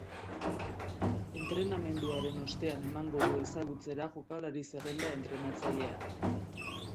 Entrenamenduaren ostean emango du ezagutzera jokalari-zerrenda entrenatzaileak.